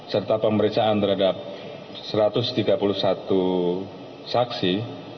serta pemeriksaan terhadap satu ratus tiga puluh satu saksi